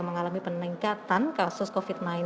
mengalami peningkatan kasus covid sembilan belas